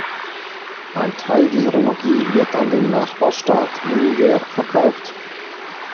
Ein Teil dieser Energie wird an den Nachbarstaat Niger verkauft.